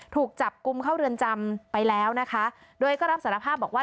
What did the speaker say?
ถูกจับกลุ่มเข้าเรือนจำไปแล้วนะคะโดยก็รับสารภาพบอกว่า